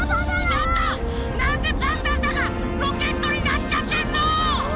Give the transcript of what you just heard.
ちょっとなんでパンタンさんがロケットになっちゃってんの！